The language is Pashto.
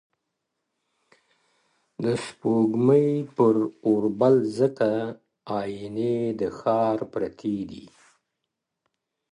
د سپوږمۍ پر اوربل ځکه! ائينې د ښار پرتې دي!